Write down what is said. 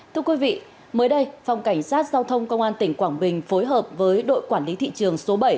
thưa quý vị mới đây phòng cảnh sát giao thông công an tỉnh quảng bình phối hợp với đội quản lý thị trường số bảy